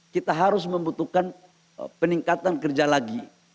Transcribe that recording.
kita harus membutuhkan peningkatan kerja lagi